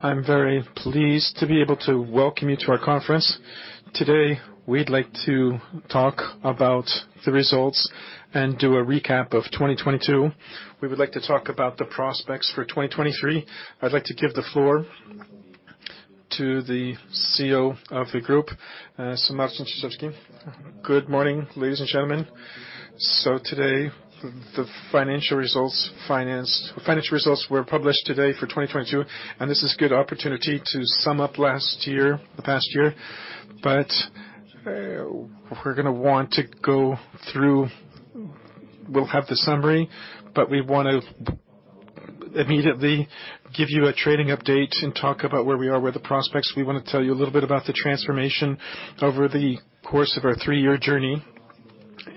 I'm very pleased to be able to welcome you to our conference. Today, we'd like to talk about the results and do a recap of 2022. We would like to talk about the prospects for 2023. I'd like to give the floor to the CEO of the group, Marcin Czyczerski. Good morning, ladies and gentlemen. Today, financial results were published today for 2022, and this is good opportunity to sum up last year, the past year. We'll have the summary, but we wanna immediately give you a trading update and talk about where we are, where the prospects. We wanna tell you a little bit about the transformation over the course of our three-year journey,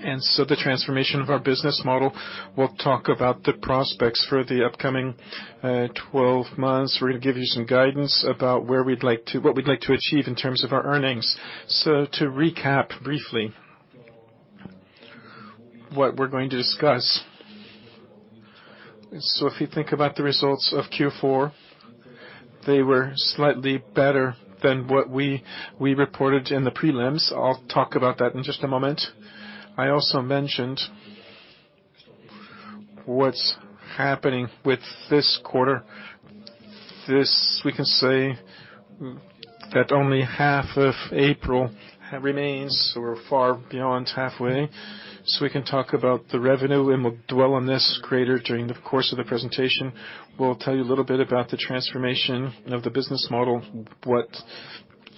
and so the transformation of our business model. We'll talk about the prospects for the upcoming, 12 months. We're going to give you some guidance about what we'd like to achieve in terms of our earnings. To recap briefly what we're going to discuss. If you think about the results of Q4, they were slightly better than what we reported in the prelims. I'll talk about that in just a moment. I also mentioned what's happening with this quarter. This, we can say that only half of April remains. We're far beyond halfway. We can talk about the revenue, and we'll dwell on this greater during the course of the presentation. We'll tell you a little bit about the transformation of the business model, what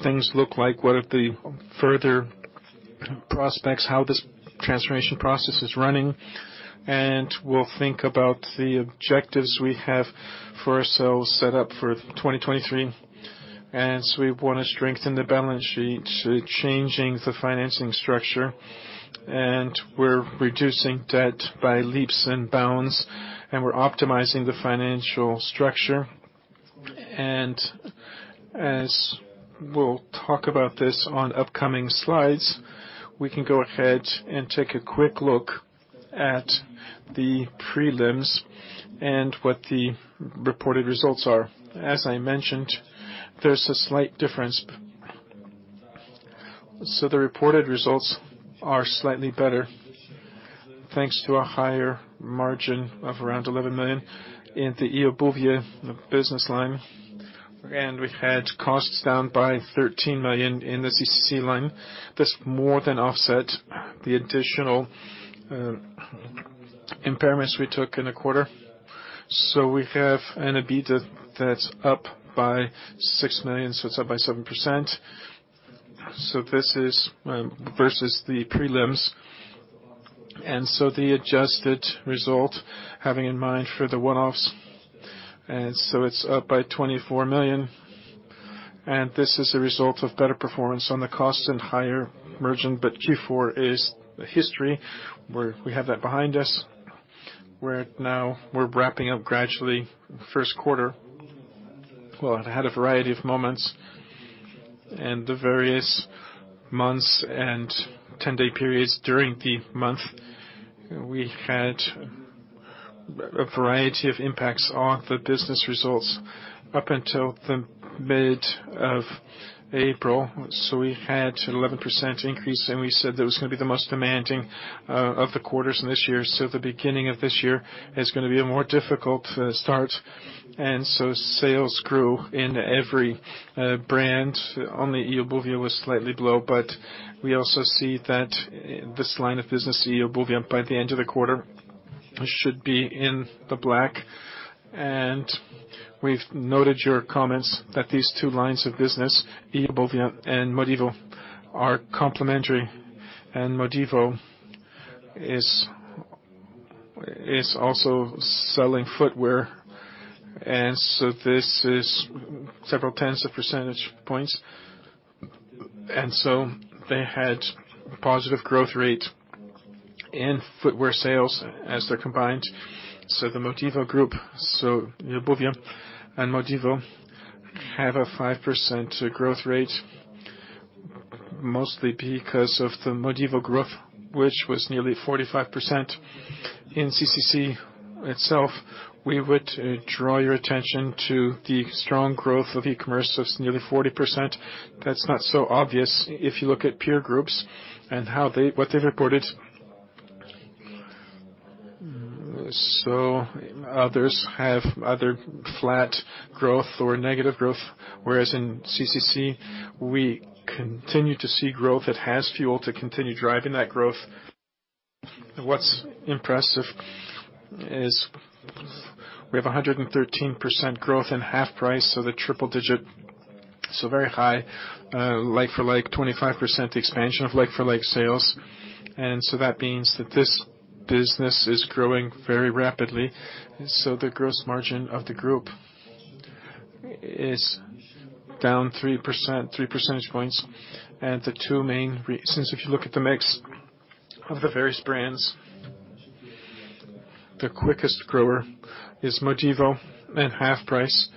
things look like, what are the further prospects, how this transformation process is running, and we'll think about the objectives we have for ourselves set up for 2023. We want to strengthen the balance sheet, changing the financing structure, and we're reducing debt by leaps and bounds, and we're optimizing the financial structure. As we'll talk about this on upcoming slides, we can go ahead and take a quick look at the prelims and what the reported results are. As I mentioned, there's a slight difference. The reported results are slightly better thanks to a higher margin of around 11 million in the eobuwie.pl business line. We've had costs down by 13 million in the CCC line. This more than offset the additional impairments we took in the quarter. We have an EBITDA that's up by 6 million, it's up by 7%. This is versus the prelims. The adjusted result, having in mind for the one-offs, and so it's up by 24 million, and this is a result of better performance on the cost and higher margin. Q4 is history. We have that behind us. We're now wrapping up gradually first quarter. Well, it had a variety of moments in the various months and 10-day periods during the month. We had a variety of impacts on the business results up until the mid of April. We had 11% increase, and we said that was gonna be the most demanding of the quarters in this year. The beginning of this year is gonna be a more difficult start. Sales grew in every brand. Only eobuwie.pl was slightly below, but we also see that this line of business, eobuwie.pl, by the end of the quarter, should be in the black. We've noted your comments that these two lines of business, eobuwie.pl and Modivo, are complementary. Modivo is also selling footwear, and so this is several tens of percentage points. They had positive growth rate in footwear sales as they're combined. The Modivo group, eobuwie.pl and Modivo, have a 5% growth rate, mostly because of the Modivo growth, which was nearly 45%. In CCC itself, we would draw your attention to the strong growth of e-commerce. That's nearly 40%. That's not so obvious if you look at peer groups and what they've reported. Others have either flat growth or negative growth, whereas in CCC, we continue to see growth. It has fuel to continue driving that growth. What's impressive is we have 113% growth in HalfPrice, so the triple digit, so very high, like-for-like, 25% expansion of like-for-like sales. That means that this business is growing very rapidly. The gross margin of the group is down 3 percentage points. The two main Since if you look at the mix of the various brands, the quickest grower is Modivo and HalfPrice,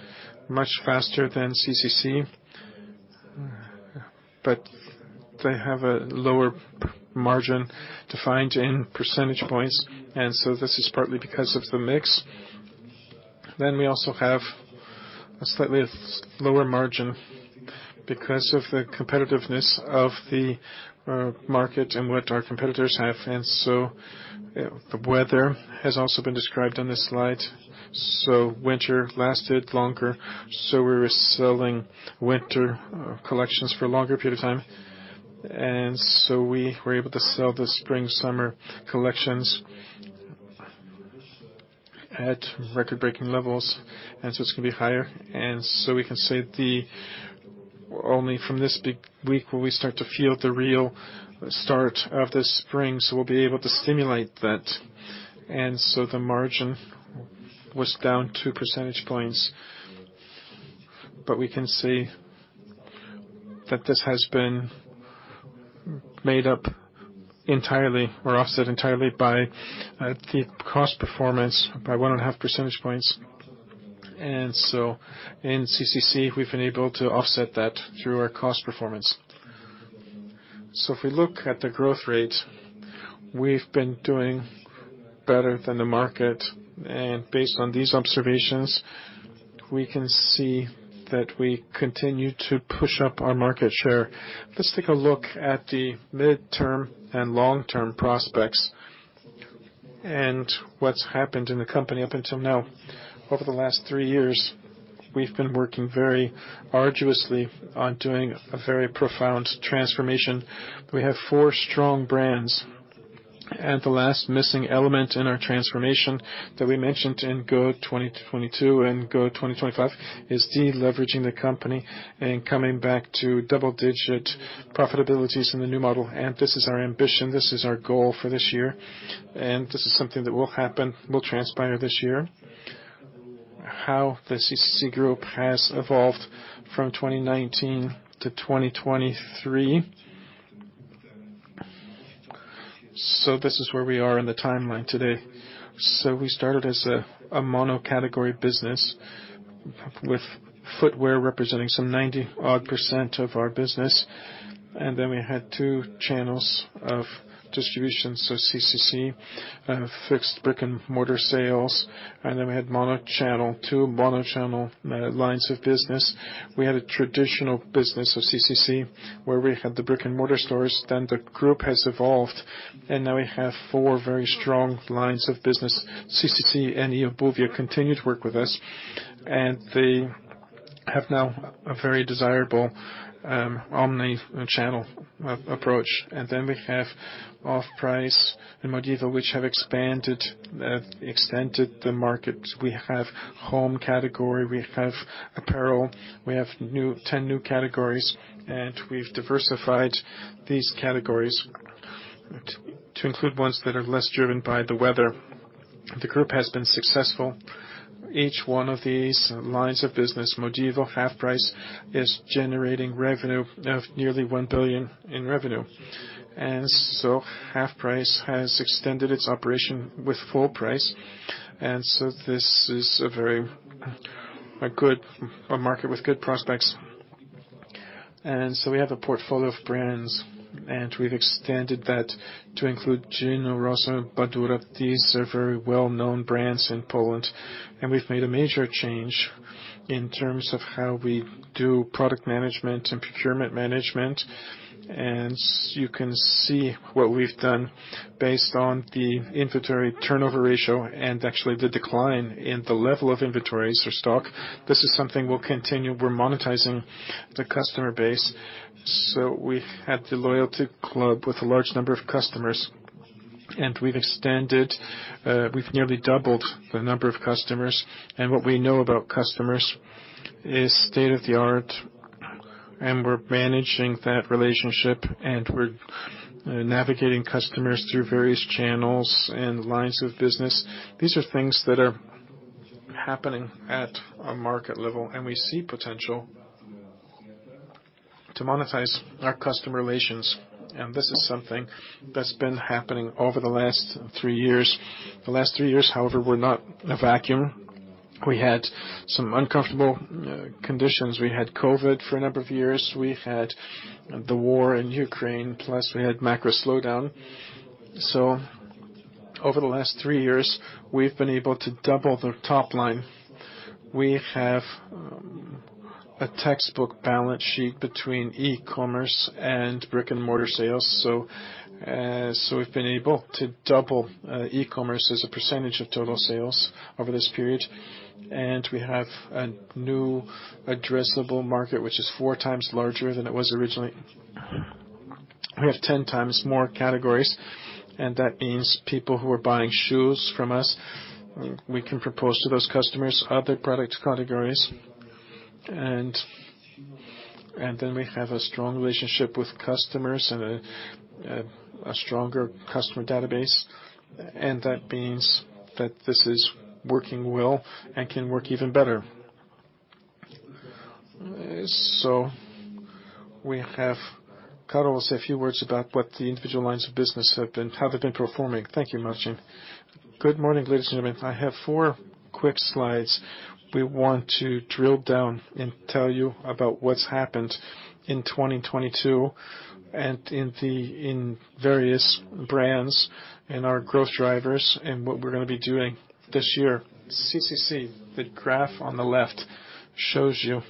much faster than CCC. They have a lower margin to find in percentage points, and so this is partly because of the mix. We also have a slightly lower margin because of the competitiveness of the market and what our competitors have. The weather has also been described on this slide. Winter lasted longer, so we were selling winter collections for a longer period of time. We were able to sell the spring/summer collections at record-breaking levels, and so it's gonna be higher. We can say Only from this big week will we start to feel the real start of the spring, so we'll be able to stimulate that. The margin was down 2 percentage points. We can see that this has been made up entirely or offset entirely by the cost performance by 1.5 percentage points. In CCC, we've been able to offset that through our cost performance. If we look at the growth rate, we've been doing better than the market. Based on these observations, we can see that we continue to push up our market share. Let's take a look at the midterm and long-term prospects and what's happened in the company up until now. Over the last three years, we've been working very arduously on doing a very profound transformation. We have four strong brands. The last missing element in our transformation that we mentioned in Go 2022 and Go 2025 is deleveraging the company and coming back to double-digit profitabilities in the new model. This is our ambition. This is our goal for this year, and this is something that will happen, will transpire this year. How the CCC Group has evolved from 2019 to 2023. This is where we are in the timeline today. We started as a mono-category business with footwear representing some 90 odd % of our business. Then we had 2 channels of distribution, so CCC fixed brick-and-mortar sales. We had mono channel 2, mono channel lines of business. We had a traditional business of CCC, where we had the brick-and-mortar stores. The group has evolved, and now we have four very strong lines of business. CCC and eobuwie.pl continue to work with us, and they have now a very desirable omni-channel approach. We have HalfPrice and Modivo, which have extended the market. We have home category, we have apparel, we have 10 new categories, and we've diversified these categories to include ones that are less driven by the weather. The group has been successful. Each one of these lines of business, Modivo, HalfPrice, is generating revenue of nearly 1 billion in revenue. HalfPrice has extended its operation with full price. This is a very good market with good prospects. We have a portfolio of brands, and we've extended that to include Gino Rossi, Badura. These are very well-known brands in Poland. We've made a major change in terms of how we do product management and procurement management. You can see what we've done based on the inventory turnover ratio and actually the decline in the level of inventories or stock. This is something we'll continue. We're monetizing the customer base. We've had the loyalty club with a large number of customers, and we've extended, we've nearly doubled the number of customers. What we know about customers is state-of-the-art, and we're managing that relationship, and we're navigating customers through various channels and lines of business. These are things that are happening at a market level, and we see potential to monetize our customer relations. This is something that's been happening over the last three years. The last three years, however, were not a vacuum. We had some uncomfortable conditions. We had COVID for a number of years. We've had the war in Ukraine, plus we had macro slowdown. Over the last three years, we've been able to double the top line. We have a textbook balance sheet between e-commerce and brick-and-mortar sales. We've been able to double e-commerce as a percentage of total sales over this period. We have a new addressable market, which is 4x larger than it was originally. We have 10x more categories, and that means people who are buying shoes from us, we can propose to those customers other product categories. We have a strong relationship with customers and a stronger customer database. That means that this is working well and can work even better. Karol will say a few words about what the individual lines of business have been how they've been performing. Thank you, Marcin. Good morning, ladies and gentlemen. I have four quick slides. We want to drill down and tell you about what's happened in 2022 and in various brands and our growth drivers and what we're gonna be doing this year. CCC, the graph on the left shows you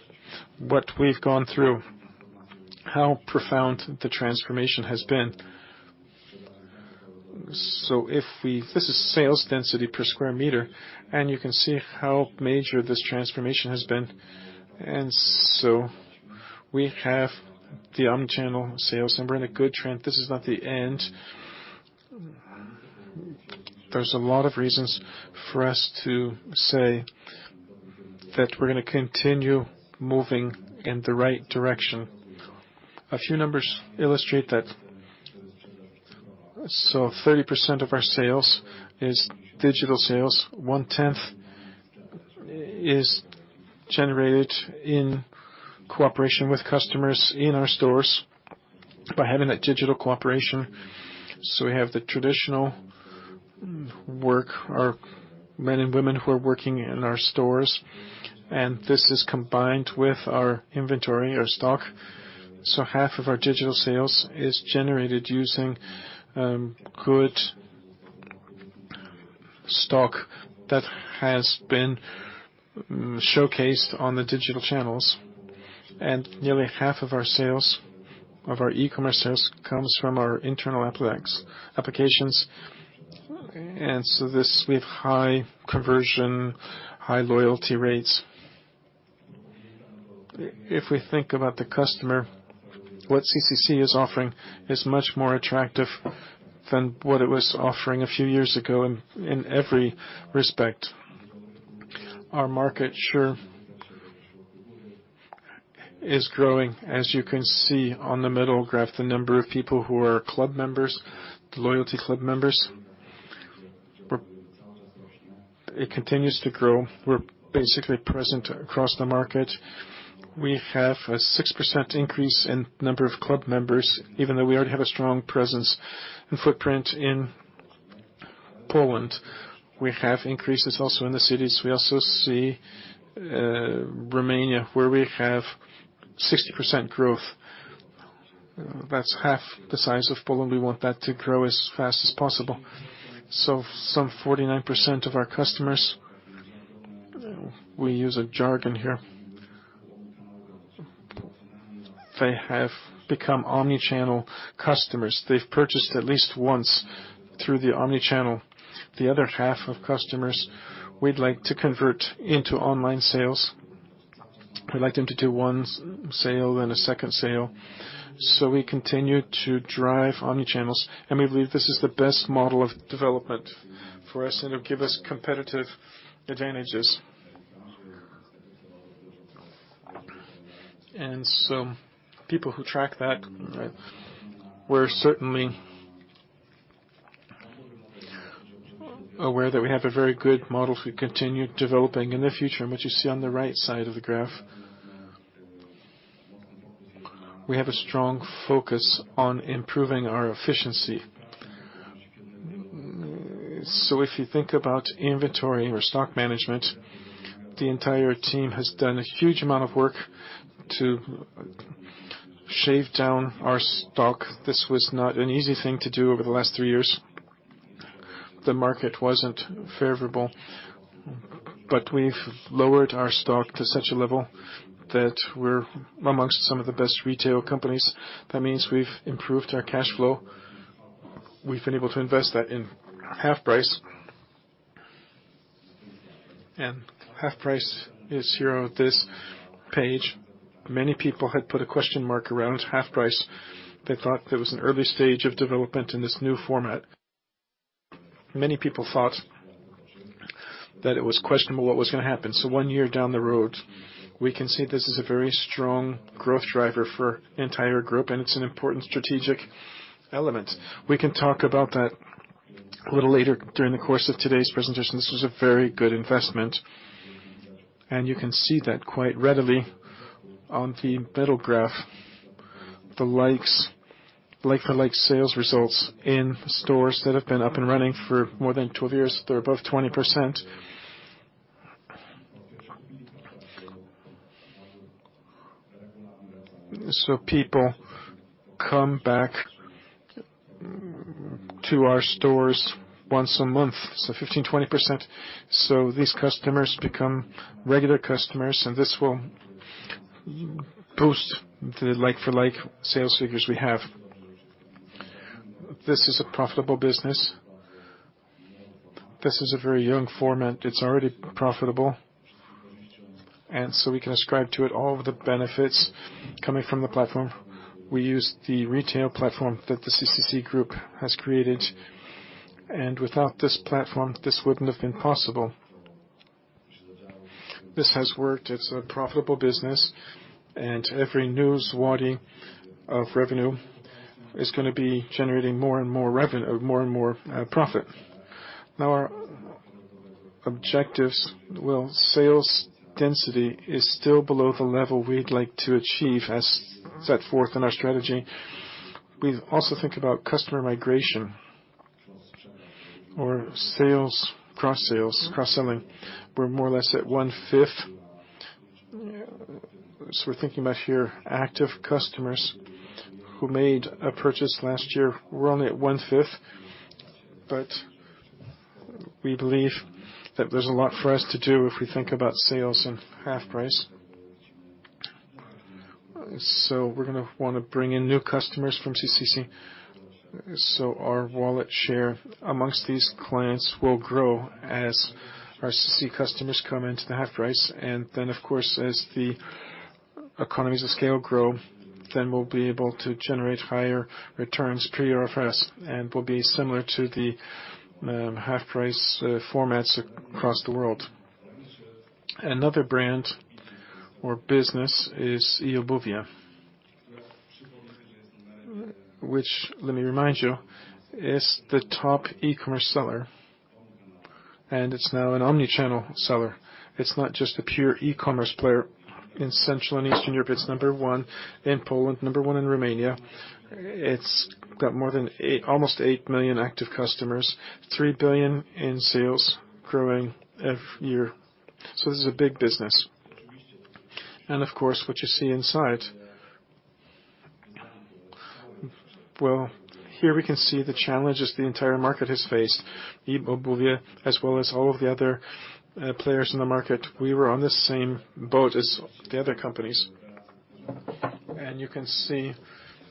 what we've gone through, how profound the transformation has been. This is sales density per square meter, and you can see how major this transformation has been. We have the omni-channel sales, and we're in a good trend. This is not the end. There's a lot of reasons for us to say that we're gonna continue moving in the right direction. A few numbers illustrate that. 30% of our sales is digital sales. One-tenth is generated in cooperation with customers in our stores by having a digital cooperation. We have the traditional work. Our men and women who are working in our stores, and this is combined with our inventory, our stock. Half of our digital sales is generated using good stock that has been showcased on the digital channels. Nearly half of our sales, of our e-commerce sales, comes from our internal applications. This, we have high conversion, high loyalty rates. If we think about the customer, what CCC is offering is much more attractive than what it was offering a few years ago in every respect. Our market share is growing, as you can see on the middle graph, the number of people who are club members, the loyalty club members. It continues to grow. We're basically present across the market. We have a 6% increase in number of club members, even though we already have a strong presence and footprint in Poland. We have increases also in the cities. We also see Romania, where we have 60% growth. That's half the size of Poland. We want that to grow as fast as possible. Some 49% of our customers, we use a jargon here, they have become omni-channel customers. They've purchased at least once through the omni-channel. The other half of customers we'd like to convert into online sales. We'd like them to do one sale and a second sale. We continue to drive omni-channel, and we believe this is the best model of development for us, and it'll give us competitive advantages. Some people who track that, we're certainly aware that we have a very good model to continue developing in the future, and what you see on the right side of the graph. We have a strong focus on improving our efficiency. If you think about inventory or stock management, the entire team has done a huge amount of work to shave down our stock. This was not an easy thing to do over the last three years. The market wasn't favorable, but we've lowered our stock to such a level that we're amongst some of the best retail companies. That means we've improved our cash flow. We've been able to invest that in HalfPrice. HalfPrice is here on this page. Many people had put a question mark around HalfPrice. They thought there was an early stage of development in this new format. Many people thought that it was questionable what was gonna happen. One year down the road, we can see this is a very strong growth driver for entire Group, and it's an important strategic element. We can talk about that a little later during the course of today's presentation. This was a very good investment. You can see that quite readily on the middle graph. The like-for-like sales results in stores that have been up and running for more than 12 years, they're above 20%. People come back to our stores once a month, so 15%, 20%. These customers become regular customers, and this will boost the like-for-like sales figures we have. This is a profitable business. This is a very young format. It's already profitable. We can ascribe to it all of the benefits coming from the platform. We use the retail platform that the CCC Group has created. Without this platform, this wouldn't have been possible. This has worked. It's a profitable business, and every new swaddling of revenue is gonna be generating more and more profit. Our objectives. Sales density is still below the level we'd like to achieve as set forth in our strategy. We also think about customer migration or sales, cross-sales, cross-selling. We're more or less at one-fifth. We're thinking about here active customers who made a purchase last year. We're only at one-fifth, but we believe that there's a lot for us to do if we think about sales in HalfPrice. We're gonna wanna bring in new customers from CCC, so our wallet share among these clients will grow as our CCC customers come into the HalfPrice. Of course, as the economies of scale grow, then we'll be able to generate higher returns pre RFS, and will be similar to the HalfPrice formats across the world. Another brand or business is eobuwie.pl, which, let me remind you, is the top e-commerce seller, and it's now an omni-channel seller. It's not just a pure e-commerce player. In Central and Eastern Europe, it's number one. In Poland, number one. In Romania, it's got more than almost 8 million active customers, 3 billion in sales growing F year. This is a big business. Of course, what you see inside. Well, here we can see the challenges the entire market has faced. eobuwie.pl as well as all of the other players in the market, we were on the same boat as the other companies. You can see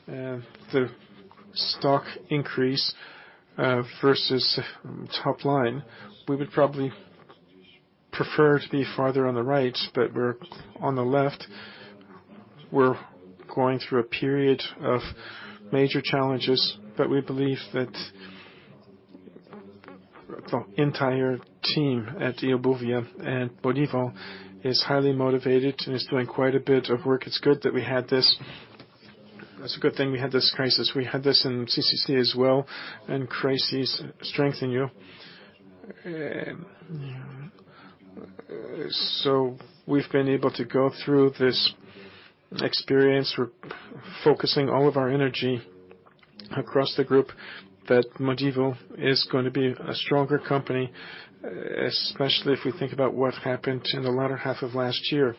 the stock increase versus top line. We would probably prefer to be farther on the right, but we're on the left. We're going through a period of major challenges, but we believe that the entire team at eobuwie.pl and Modivo is highly motivated and is doing quite a bit of work. It's good that we had this. It's a good thing we had this crisis. We had this in CCC as well, crises strengthen you. We've been able to go through this experience. We're focusing all of our energy across the group that Modivo is gonna be a stronger company, especially if we think about what happened in the latter half of last year.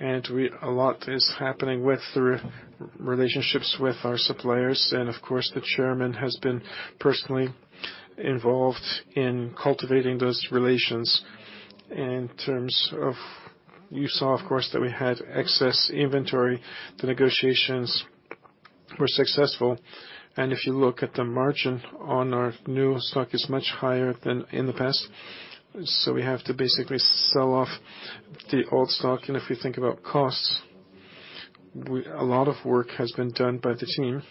A lot is happening with the relationships with our suppliers. Of course, the chairman has been personally involved in cultivating those relations. In terms of. You saw, of course, that we had excess inventory. The negotiations were successful. If you look at the margin on our new stock is much higher than in the past. We have to basically sell off the old stock. If we think about costs, we a lot of work has been done by the team.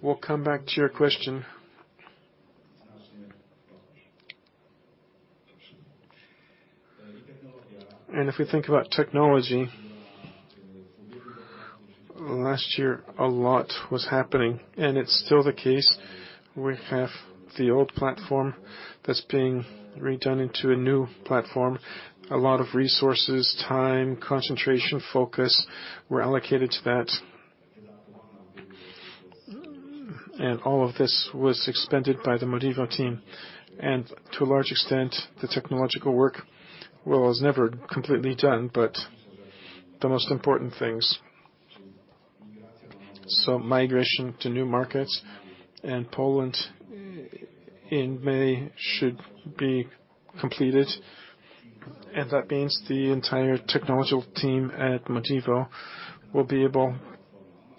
We'll come back to your question. If we think about technology, last year, a lot was happening, and it's still the case. We have the old platform that's being redone into a new platform. A lot of resources, time, concentration, focus were allocated to that. All of this was expended by the Modivo team. To a large extent, the technological work, well, was never completely done, but the most important things. Migration to new markets in Poland in May should be completed, and that means the entire technological team at Modivo will be able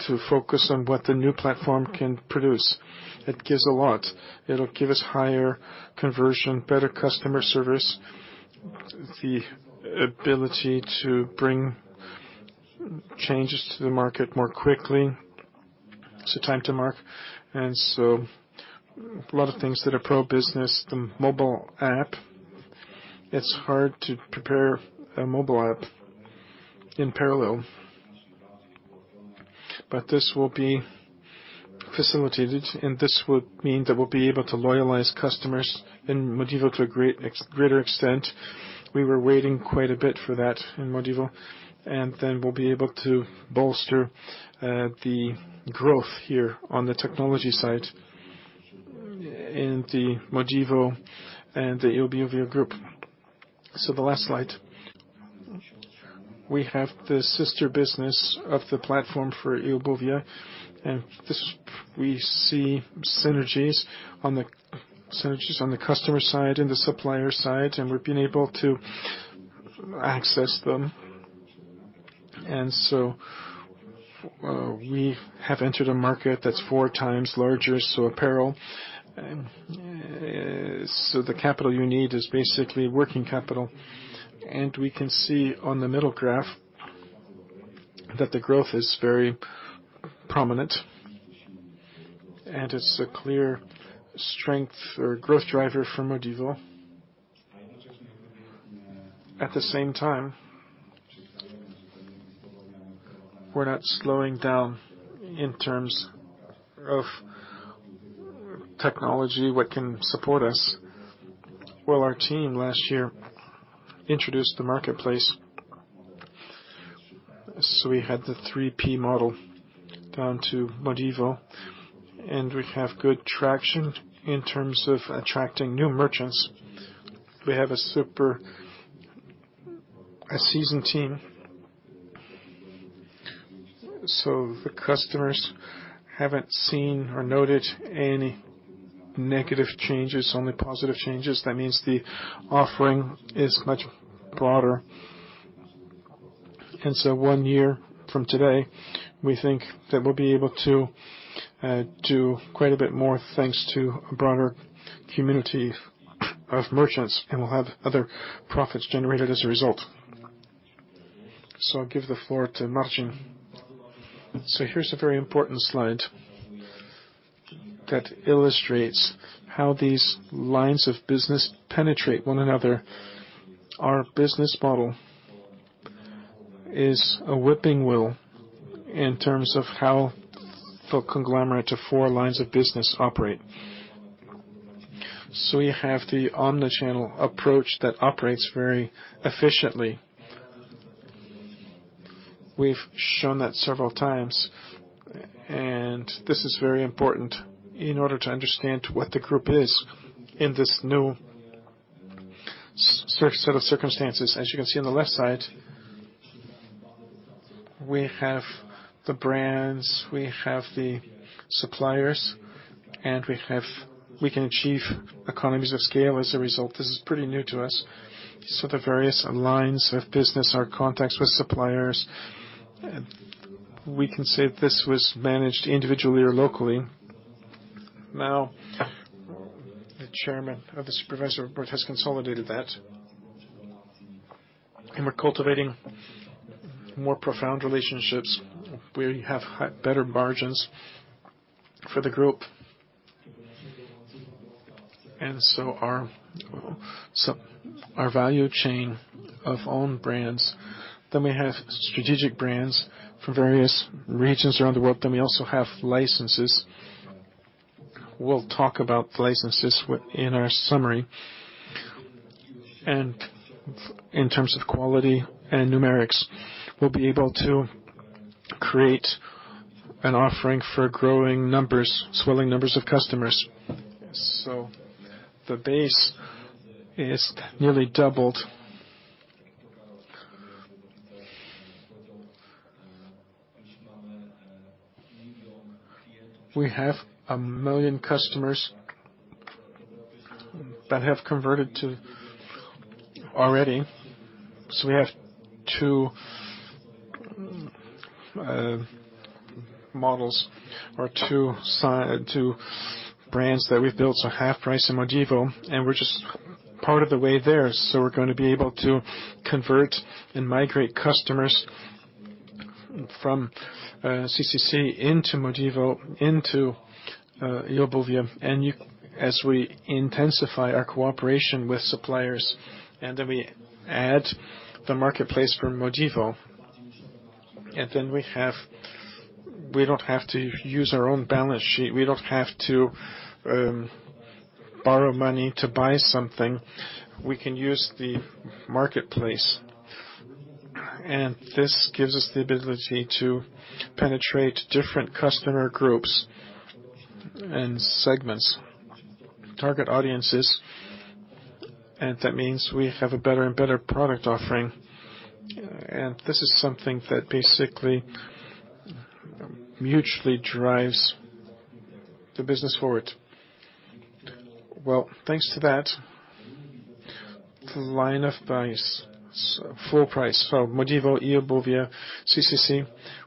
to focus on what the new platform can produce. It gives a lot. It'll give us higher conversion, better customer service, the ability to bring changes to the market more quickly. Time to market. A lot of things that are pro business, the mobile app. It's hard to prepare a mobile app in parallel. This will be facilitated, and this will mean that we'll be able to loyalize customers in Modivo to a greater extent. We were waiting quite a bit for that in Modivo. We'll be able to bolster, the growth here on the technology side in the Modivo and the eobuwie.pl group. The last slide. We have the sister business of the platform for eobuwie.pl. This, we see synergies on the customer side and the supplier side, and we've been able to access them. We have entered a market that's 4x larger, so apparel. The capital you need is basically working capital. We can see on the middle graph that the growth is very prominent, and it's a clear strength or growth driver for Modivo. At the same time, we're not slowing down in terms of technology, what can support us. Our team last year introduced the marketplace. We had the 3P model down to Modivo, we have good traction in terms of attracting new merchants. We have a seasoned team. The customers haven't seen or noted any negative changes, only positive changes. That means the offering is much broader. One year from today, we think that we'll be able to do quite a bit more thanks to a broader community of merchants, and we'll have other profits generated as a result. I'll give the floor to Marcin. Here's a very important slide that illustrates how these lines of business penetrate one another. Our business model is a flywheel in terms of how the conglomerate to four lines of business operate. We have the omni-channel approach that operates very efficiently. We've shown that several times. This is very important in order to understand what the group is in this new set of circumstances. As you can see on the left side, we have the brands, we have the suppliers, and we have. We can achieve economies of scale as a result. This is pretty new to us. The various lines of business or context with suppliers, we can say this was managed individually or locally. Now, the chairman of the Supervisory Board has consolidated that, and we're cultivating more profound relationships. We have better margins for the group. Our value chain of own brands. We have strategic brands for various regions around the world. We also have licenses. We'll talk about the licenses in our summary. In terms of quality and numerics, we'll be able to create an offering for growing numbers, swelling numbers of customers. The base is nearly doubled. We have 1 million customers that have converted to already. We have two models or two brands that we've built, HalfPrice and Modivo, and we're just part of the way there. We're gonna be able to convert and migrate customers from CCC into Modivo, into eobuwie.pl. As we intensify our cooperation with suppliers, then we add the marketplace for Modivo. We don't have to use our own balance sheet. We don't have to borrow money to buy something. We can use the marketplace. This gives us the ability to penetrate different customer groups and segments, target audiences, and that means we have a better and better product offering. This is something that basically mutually drives the business forward. Well, thanks to that, the line of buys, so full price, so Modivo, eobuwie.pl, CCC,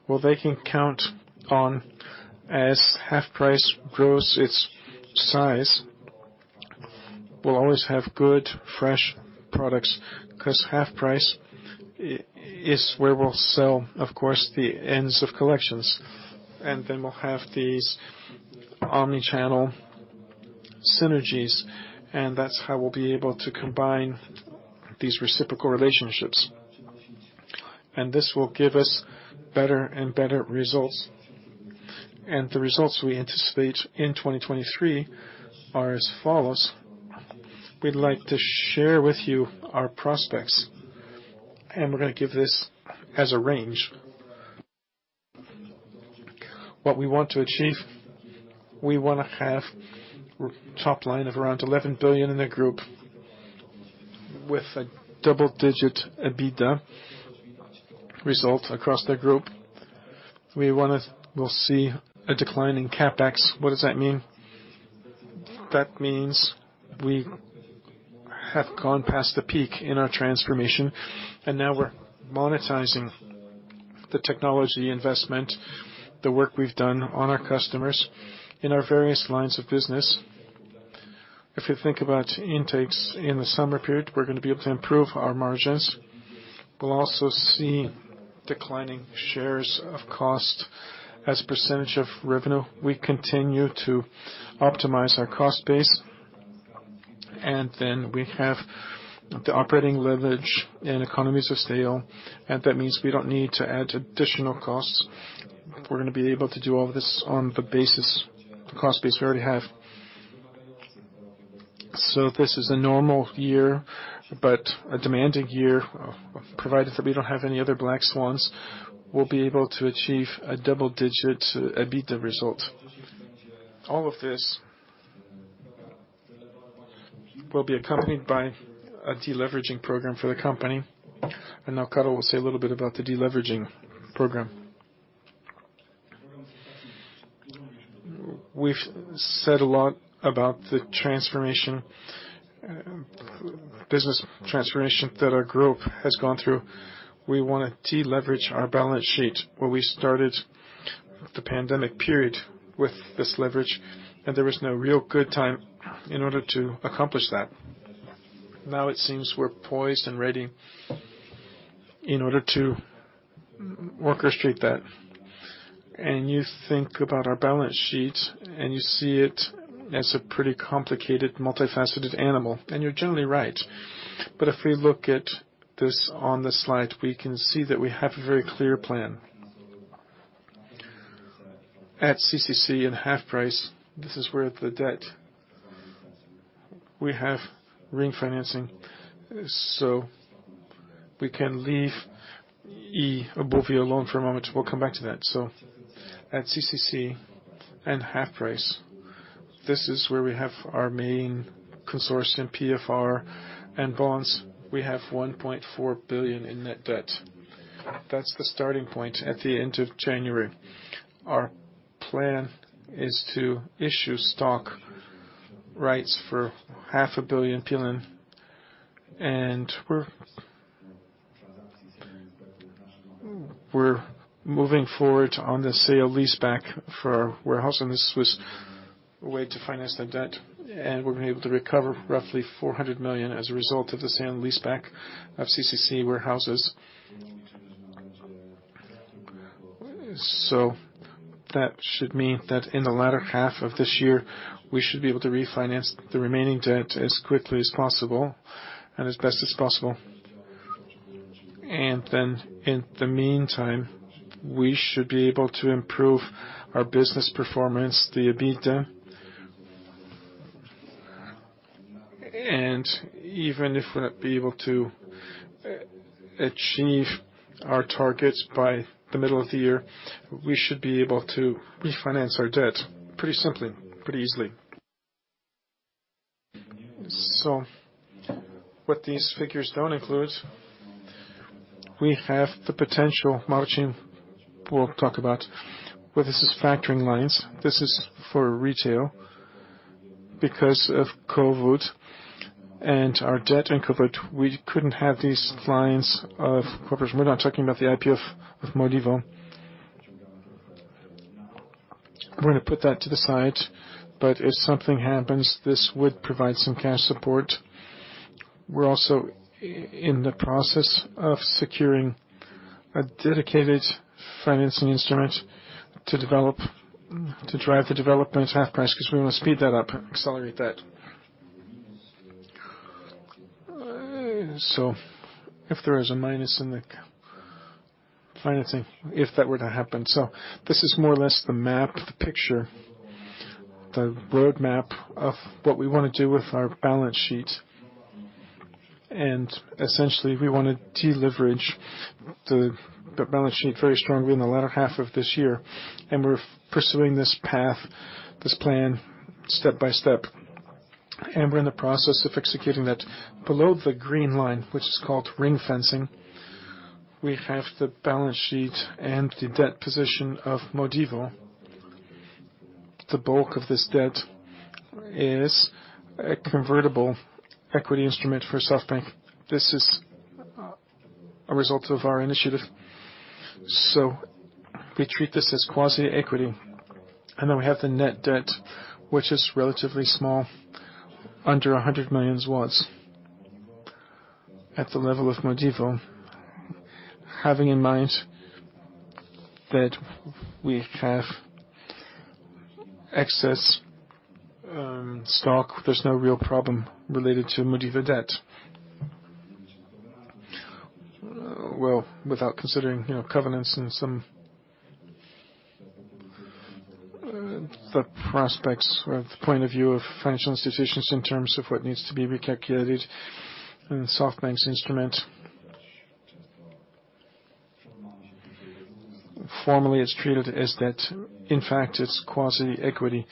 well, they can count on as HalfPrice grows its size. We'll always have good, fresh products 'cause HalfPrice is where we'll sell, of course, the ends of collections. Then we'll have these omni-channel synergies, and that's how we'll be able to combine these reciprocal relationships. This will give us better and better results. The results we anticipate in 2023 are as follows. We'd like to share with you our prospects, and we're gonna give this as a range. What we want to achieve, we wanna have top line of around 11 billion in the group with a double-digit EBITDA result across the group. Will see a decline in CapEx. What does that mean? That means we have gone past the peak in our transformation. Now we're monetizing the technology investment, the work we've done on our customers in our various lines of business. If you think about intakes in the summer period, we're gonna be able to improve our margins. We'll also see declining shares of cost as % of revenue. We continue to optimize our cost base. Then we have the operating leverage and economies of scale. That means we don't need to add additional costs. We're gonna be able to do all of this on the basis, the cost base we already have. This is a normal year, but a demanding year, provided that we don't have any other black swans, we'll be able to achieve a double-digit EBITDA result. All of this will be accompanied by a deleveraging program for the company. Now Karol will say a little bit about the deleveraging program. We've said a lot about the transformation, business transformation that our group has gone through. We wanna deleverage our balance sheet, where we started the pandemic period with this leverage, and there is no real good time in order to accomplish that. Now it seems we're poised and ready in order to orchestrate that. You think about our balance sheet, and you see it as a pretty complicated, multifaceted animal, and you're generally right. If we look at this on the slide, we can see that we have a very clear plan. At CCC and HalfPrice, this is where the debt we have ring-fencing, so we can leave eobuwie.pl alone for a moment. We'll come back to that. At CCC and HalfPrice, this is where we have our main consortium, PFR and bonds. We have 1.4 billion in net debt. That's the starting point at the end of January. Our plan is to issue stock rights for half a billion PLN. We're moving forward on the sale-leaseback for our warehouse, and this was a way to finance the debt. We've been able to recover roughly 400 million as a result of the sale and leaseback of CCC warehouses. That should mean that in the latter half of this year, we should be able to refinance the remaining debt as quickly as possible and as best as possible. In the meantime, we should be able to improve our business performance, the EBITDA. Even if we're not able to achieve our targets by the middle of the year, we should be able to refinance our debt pretty simply, pretty easily. What these figures don't include, we have the potential Marcin will talk about, where this is factoring lines. This is for retail because of COVID and our debt in COVID, we couldn't have these lines of coverage. We're not talking about the IPO of Modivo. We're gonna put that to the side. If something happens, this would provide some cash support. We're also in the process of securing a dedicated financing instrument to develop, to drive the development of HalfPrice because we want to speed that up, accelerate that. If there is a minus in the financing, if that were to happen. This is more or less the map, the picture, the roadmap of what we wanna do with our balance sheet. Essentially, we wanna deleverage the balance sheet very strongly in the latter half of this year. We're pursuing this path, this plan step by step. We're in the process of executing that. Below the green line, which is called ring-fencing, we have the balance sheet and the debt position of Modivo. The bulk of this debt is a convertible equity instrument for SoftBank. This is a result of our initiative. We treat this as quasi-equity. We have the net debt, which is relatively small, under 100 million PLN at the level of Modivo. Having in mind that we have excess stock, there's no real problem related to Modivo debt. Well, without considering, you know, covenants and some the prospects or the point of view of financial institutions in terms of what needs to be recalculated in SoftBank's instrument. Formally, it's treated as debt. In fact, it's quasi-equity.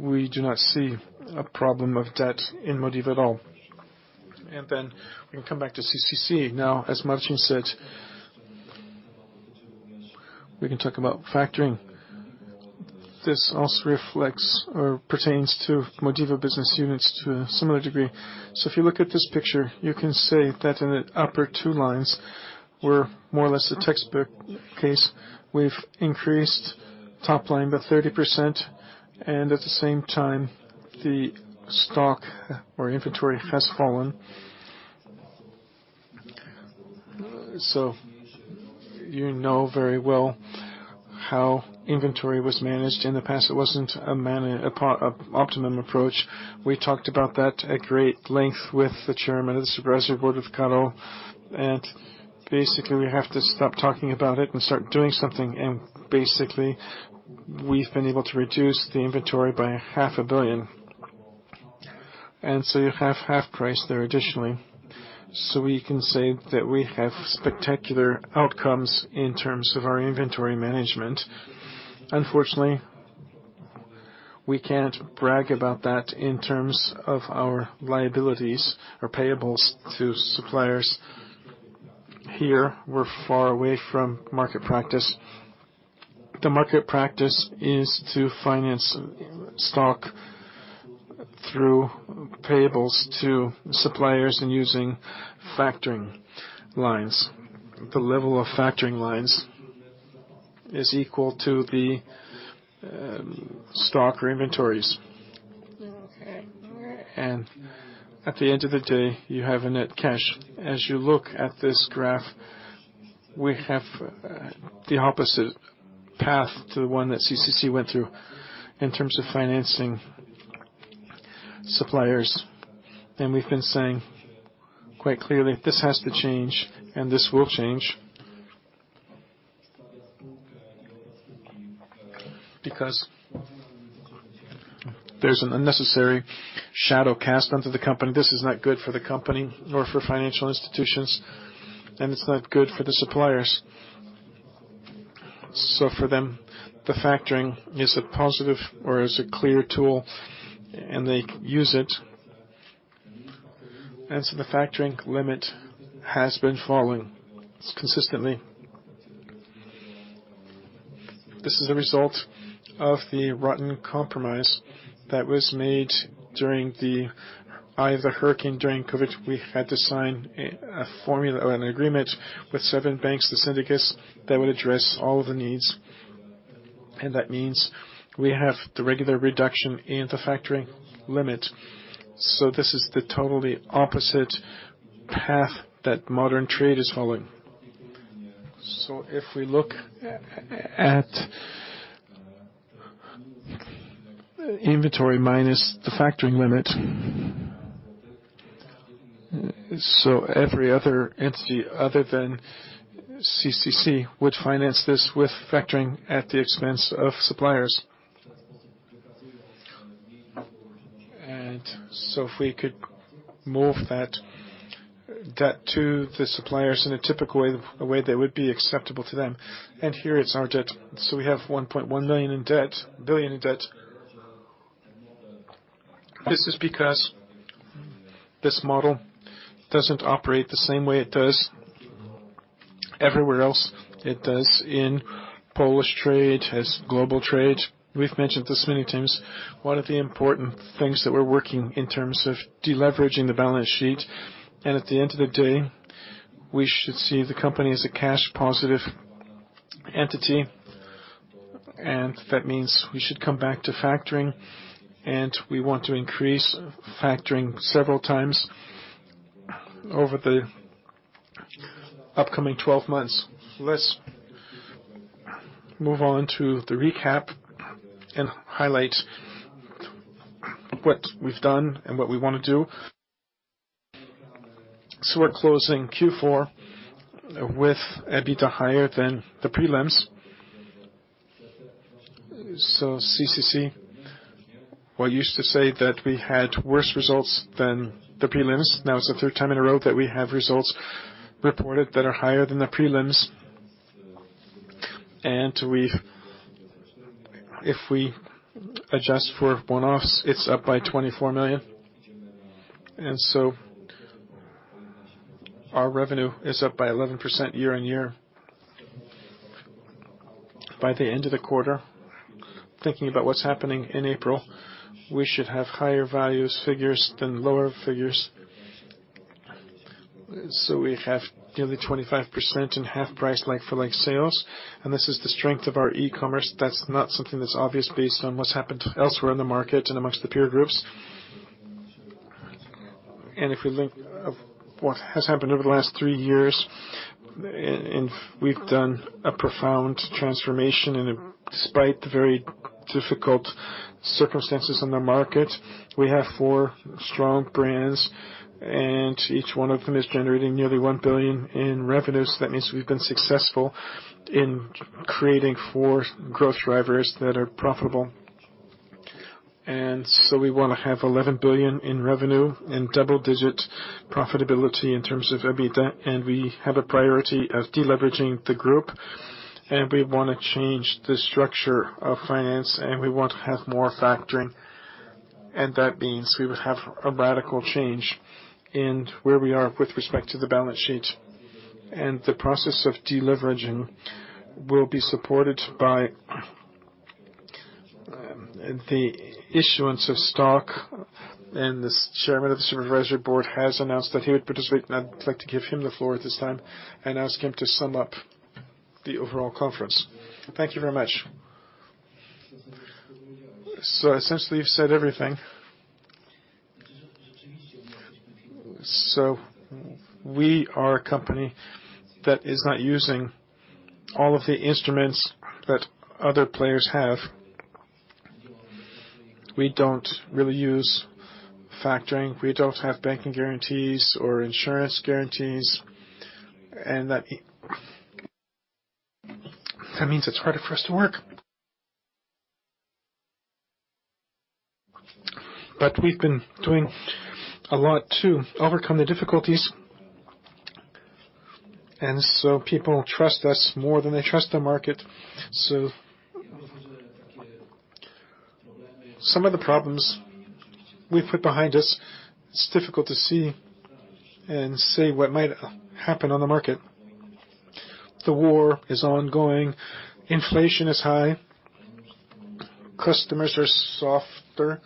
We do not see a problem of debt in Modivo at all. We can come back to CCC. Now, as Marcin said, we can talk about factoring. This also reflects or pertains to Modivo business units to a similar degree. If you look at this picture, you can say that in the upper two lines. We're more or less the textbook case. We've increased top line by 30% and at the same time, the stock or inventory has fallen. You know very well how inventory was managed in the past. It wasn't an optimum approach. We talked about that at great length with the chairman of the supervisory board with Karol. Basically, we have to stop talking about it and start doing something. Basically, we've been able to reduce the inventory by half a billion. You have HalfPrice there additionally. We can say that we have spectacular outcomes in terms of our inventory management. Unfortunately, we can't brag about that in terms of our liabilities or payables to suppliers. Here, we're far away from market practice. The market practice is to finance stock through payables to suppliers and using factoring lines. The level of factoring lines is equal to the stock or inventories. At the end of the day, you have a net cash. As you look at this graph, we have the opposite path to the one that CCC went through in terms of financing suppliers. We've been saying quite clearly this has to change and this will change. There's an unnecessary shadow cast onto the company. This is not good for the company nor for financial institutions, and it's not good for the suppliers. For them, the factoring is a positive or is a clear tool, and they use it. The factoring limit has been falling consistently. This is a result of the rotten compromise that was made during the eye of the hurricane. During COVID, we had to sign a formula or an agreement with seven banks, the syndicates, that would address all of the needs. That means we have the regular reduction in the factoring limit. This is the totally opposite path that modern trade is following. If we look at inventory minus the factoring limit, so every other entity other than CCC would finance this with factoring at the expense of suppliers. If we could move that debt to the suppliers in a typical way, a way that would be acceptable to them. Here it's our debt. We have 1.1 billion in debt. This is because this model doesn't operate the same way it does everywhere else it does in Polish trade, as global trade. We've mentioned this many times. One of the important things that we're working in terms of deleveraging the balance sheet, and at the end of the day, we should see the company as a cash positive entity. That means we should come back to factoring and we want to increase factoring several times over the upcoming 12 months. Let's move on to the recap and highlight what we've done and what we wanna do. We're closing Q4 with EBITDA higher than the prelims. CCC, what used to say that we had worse results than the prelims, now it's the third time in a row that we have results reported that are higher than the prelims. If we adjust for one-offs, it's up by 24 million. Our revenue is up by 11% year-on-year. By the end of the quarter, thinking about what's happening in April, we should have higher values figures than lower figures. We have nearly 25% in HalfPrice, like-for-like sales, and this is the strength of our e-commerce. That's not something that's obvious based on what's happened elsewhere in the market and amongst the peer groups. If we look of what has happened over the last three years, and we've done a profound transformation. Despite the very difficult circumstances in the market, we have four strong brands, and each one of them is generating nearly 1 billion in revenues. That means we've been successful in creating four growth drivers that are profitable. We wanna have 11 billion in revenue and double-digit profitability in terms of EBITDA. We have a priority of deleveraging the group, and we wanna change the structure of finance, and we want to have more factoring. That means we would have a radical change in where we are with respect to the balance sheet. The process of deleveraging will be supported by...The issuance of stock and the chairman of the supervisory board has announced that he would participate, and I'd like to give him the floor at this time and ask him to sum up the overall conference. Thank you very much. Essentially, you've said everything. We are a company that is not using all of the instruments that other players have. We don't really use factoring. We don't have banking guarantees or insurance guarantees, and that means it's harder for us to work. We've been doing a lot to overcome the difficulties. People trust us more than they trust the market. Some of the problems we've put behind us, it's difficult to see and say what might happen on the market. The war is ongoing, inflation is high, customers are softer.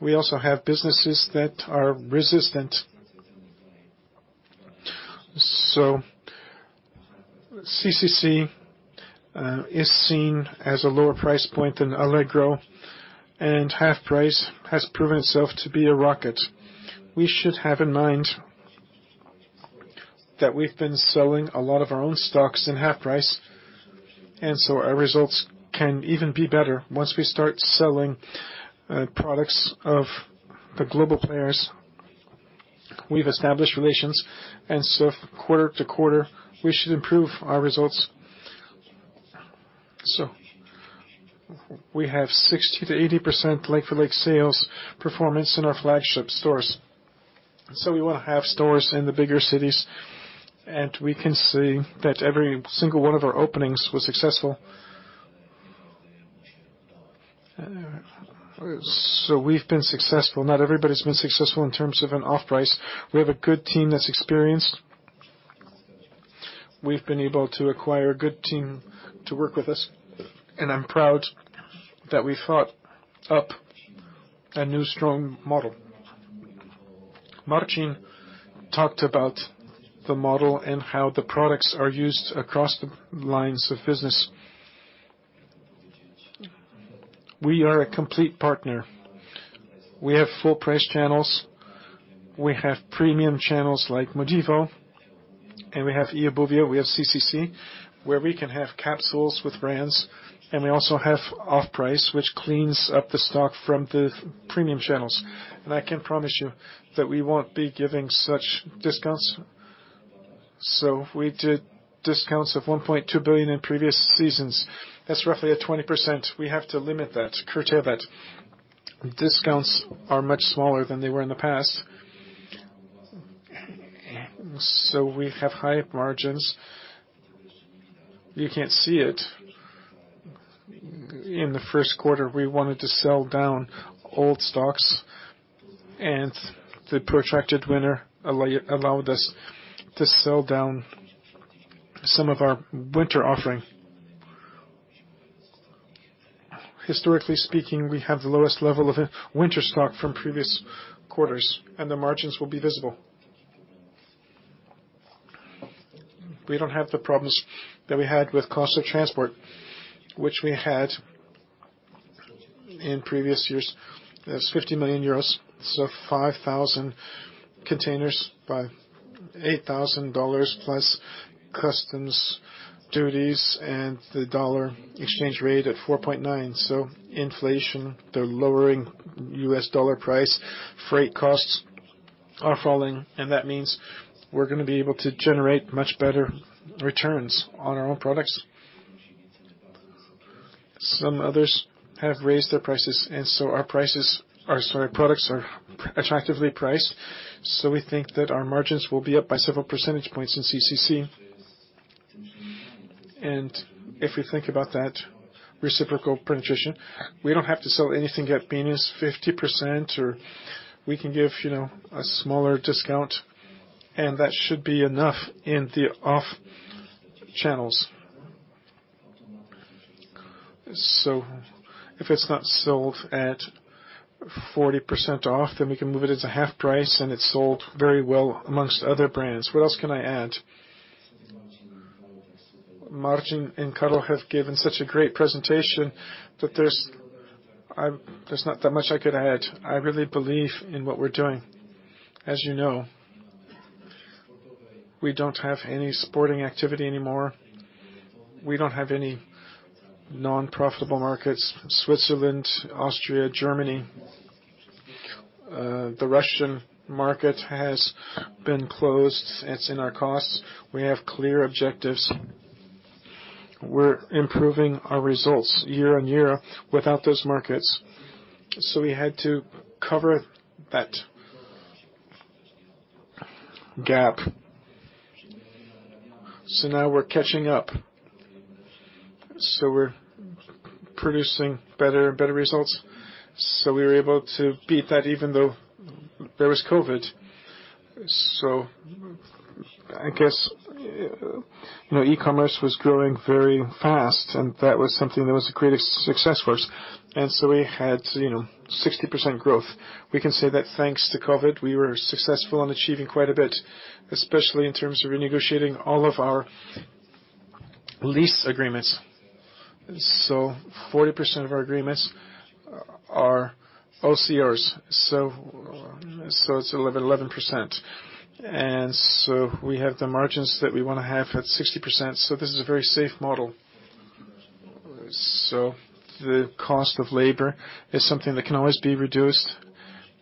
We also have businesses that are resistant. CCC is seen as a lower price point than Allegro, and HalfPrice has proven itself to be a rocket. We should have in mind that we've been selling a lot of our own stocks in HalfPrice, our results can even be better once we start selling products of the global players. We've established relations, quarter to quarter we should improve our results. We have 60%-80% like-for-like sales performance in our flagship stores. We wanna have stores in the bigger cities, and we can see that every single one of our openings was successful. We've been successful. Not everybody's been successful in terms of an off-price. We have a good team that's experienced. We've been able to acquire a good team to work with us, and I'm proud that we thought up a new strong model. Marcin talked about the model and how the products are used across the lines of business. We are a complete partner. We have full price channels, we have premium channels like Modivo, and we have eobuwie.pl, we have CCC, where we can have capsules with brands, and we also have off-price, which cleans up the stock from the premium channels. I can promise you that we won't be giving such discounts. We did discounts of 1.2 billion in previous seasons. That's roughly at 20%. We have to limit that, curtail that. Discounts are much smaller than they were in the past. We have high margins. You can't see it. In the first quarter, we wanted to sell down old stocks, and the protracted winter allow, allowed us to sell down some of our winter offering. Historically speaking, we have the lowest level of winter stock from previous quarters, and the margins will be visible. We don't have the problems that we had with cost of transport, which we had in previous years. That's 50 million euros. Five thousand containers by $8,000 plus customs duties and the dollar exchange rate at 4.9. Inflation, the lowering US dollar price, freight costs are falling, and that means we're gonna be able to generate much better returns on our own products. Some others have raised their prices. Our prices are... Sorry, products are attractively priced. We think that our margins will be up by several percentage points in CCC. If we think about that reciprocal penetration, we don't have to sell anything at minus 50% or we can give, you know, a smaller discount, and that should be enough in the off channels. If it's not sold at 40% off, then we can move it into HalfPrice, and it's sold very well amongst other brands. What else can I add? Marcin and Karol have given such a great presentation that there's not that much I could add. I really believe in what we're doing. As you know, we don't have any sporting activity anymore. We don't have any non-profitable markets, Switzerland, Austria, Germany. The Russian market has been closed. It's in our costs. We have clear objectives. We're improving our results year-on-year without those markets. We had to cover that gap. Now we're catching up. We're producing better and better results. We were able to beat that even though there was COVID. I guess, you know, e-commerce was growing very fast, and that was something that was a great success for us. We had, you know, 60% growth. We can say that thanks to COVID, we were successful in achieving quite a bit, especially in terms of renegotiating all of our lease agreements. 40% of our agreements are OCRs, so it's 11%. We have the margins that we wanna have at 60%. This is a very safe model. The cost of labor is something that can always be reduced,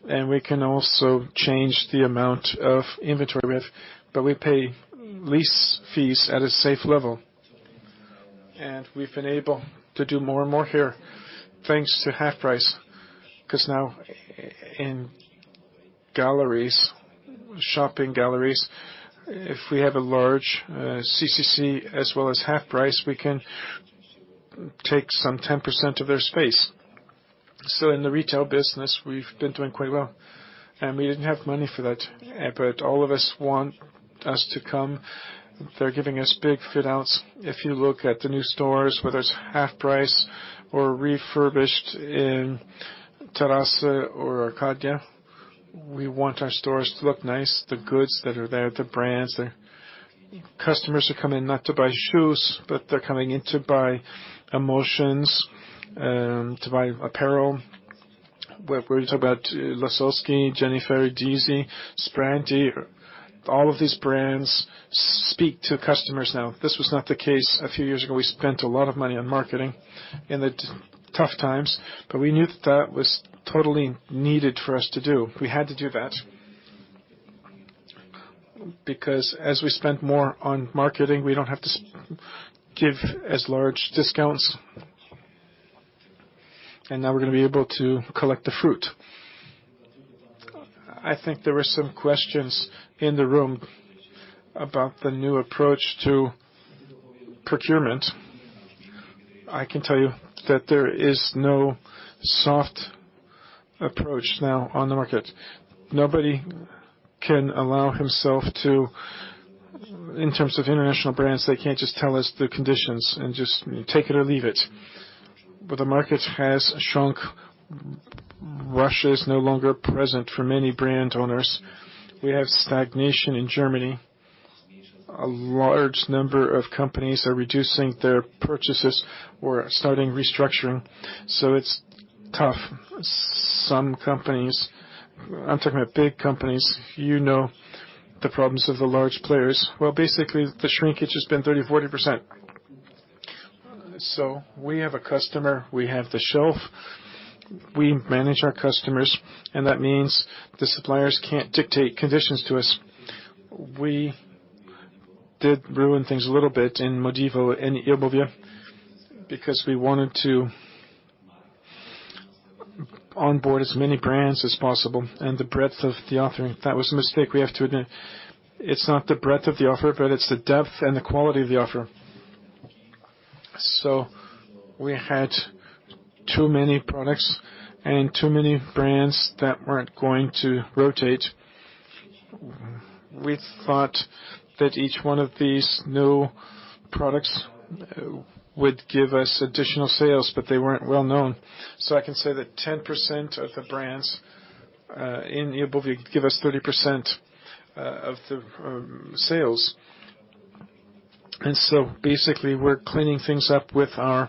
and we can also change the amount of inventory we have, but we pay lease fees at a safe level. We've been able to do more and more here, thanks to HalfPrice, 'cause now in galleries, shopping galleries, if we have a large CCC as well as HalfPrice, we can take some 10% of their space. In the retail business, we've been doing quite well. We didn't have money for that, but all of us want us to come. They're giving us big fit-outs. If you look at the new stores, whether it's HalfPrice or refurbished in Złote Tarasy or Arkadia, we want our stores to look nice. The goods that are there, the brands. The customers are coming not to buy shoes, but they're coming in to buy emotions, to buy apparel. We were talking about Lasocki, Jenny Fairy, DeeZee, Sprandi. All of these brands speak to customers now. This was not the case a few years ago. We spent a lot of money on marketing in the tough times, but we knew that was totally needed for us to do. We had to do that. As we spent more on marketing, we don't have to give as large discounts. Now we're gonna be able to collect the fruit. I think there were some questions in the room about the new approach to procurement. I can tell you that there is no soft approach now on the market. Nobody can allow himself to... In terms of international brands, they can't just tell us the conditions and just take it or leave it. The market has shrunk. Russia is no longer present for many brand owners. We have stagnation in Germany. A large number of companies are reducing their purchases or starting restructuring, so it's tough. Some companies, I'm talking about big companies, you know the problems of the large players. Basically the shrinkage has been 30%, 40%. We have a customer, we have the shelf. We manage our customers, that means the suppliers can't dictate conditions to us. We did ruin things a little bit in Modivo and eobuwie.pl because we wanted to onboard as many brands as possible and the breadth of the offering. That was a mistake we have to admit. It's not the breadth of the offer, but it's the depth and the quality of the offer. We had too many products and too many brands that weren't going to rotate. We thought that each one of these new products would give us additional sales, but they weren't well-known. I can say that 10% of the brands in eobuwie.pl give us 30% of the sales. Basically, we're cleaning things up with our